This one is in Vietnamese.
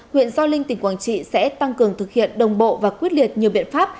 huyện do linh tỉnh quảng trị sẽ tăng cường thực hiện đồng bộ và quyết liệt nhiều biện pháp